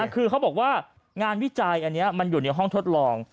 คือเขาบอกว่างานวิจัยอันนี้มันอยู่ในห้องทดลอง